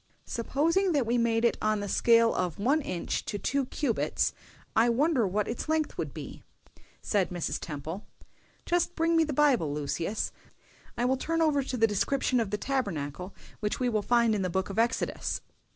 "Supposing that we made it on the scale of one inch to two cubits, I wonder what its length would be?" said Mrs. Temple. "Just bring me the Bible. Lucius, I will turn over to the description of the Tabernacle, which we will find in the Book of Exodus."